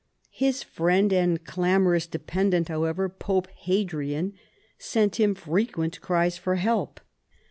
His friend and clamoi ous dependant, however. Pope Hadrian, sent him frequent cries for help.